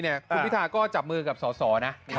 คุณพิธาก็จับมือกับสสนะ